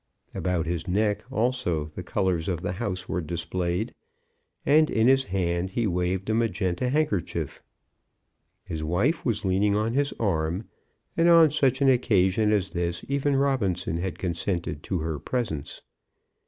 About his neck also the colours of the house were displayed, and in his hand he waved a magenta handkerchief. His wife was leaning on his arm, and on such an occasion as this even Robinson had consented to her presence.